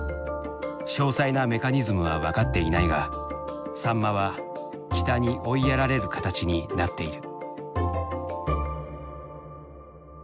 詳細なメカニズムは分かっていないがサンマは北に追いやられるかたちになっている。